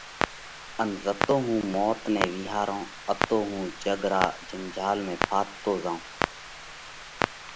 ان زتو هُون موت نئہ وِيهارِيه اتو هُون جڳ را جنجال ۾ ڦاٿتو زائِيه۔